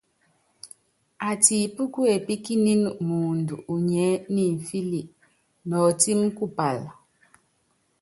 Atipí kuepíkíníni muundú unyiɛ́ nimfíli nɔɔtímí kupála.